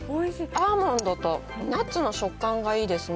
アーモンドとナッツの食感がいいですね。